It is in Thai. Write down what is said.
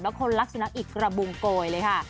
แล้วคนรักสุนัขอีกกระบุงโกยเลยค่ะ